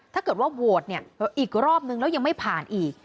ถ้าเกิดว่าโหวตเนี่ยอีกรอบนึงแล้วยังไม่ผ่านอีก